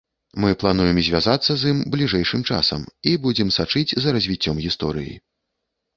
Мы плануем звязацца з ім бліжэйшым часам і будзем сачыць за развіццём гісторыі.